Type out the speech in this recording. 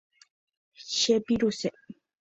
Chepiruse.